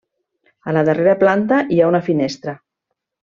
A la darrera planta hi ha una finestra.